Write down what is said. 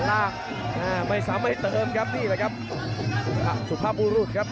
ร่างไม่สัมภัยที่เติมครับ